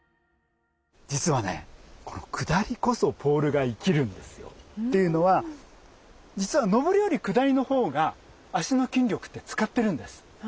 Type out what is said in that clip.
実はねこのくだりこそポールが生きるんですよ。というのは実はのぼりよりくだりのほうが脚の筋力って使ってるんです。